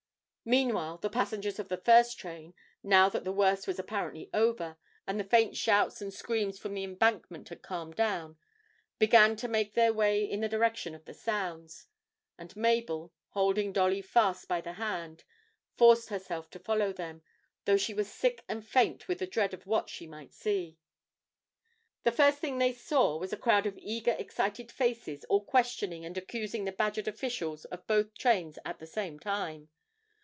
Meanwhile the passengers of the first train, now that the worst was apparently over, and the faint shouts and screams from the embankment had calmed down, began to make their way in the direction of the sounds, and Mabel, holding Dolly fast by the hand, forced herself to follow them, though she was sick and faint with the dread of what she might see. The first thing they saw was a crowd of eager, excited faces, all questioning and accusing the badgered officials of both trains at the same time.